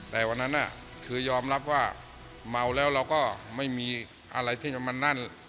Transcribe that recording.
แต่วันนั้นคือยอมรับว่าเมาแล้วเราก็ไม่มีอะไรที่จะมานั่น